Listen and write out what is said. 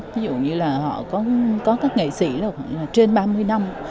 ví dụ như là họ có các nghệ sĩ là khoảng trên ba mươi năm